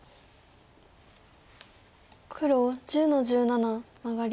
黒１０の十七マガリ。